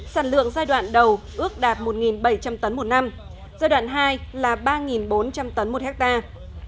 sản lượng giai đoạn đầu ước đạt một bảy trăm linh tấn một năm giai đoạn hai là ba bốn trăm linh tấn một hectare